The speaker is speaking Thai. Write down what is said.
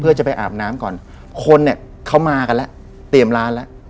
เพื่อจะไปอาบน้ำก่อนคนเนี่ยเขามากันแล้วเตรียมร้านแล้ว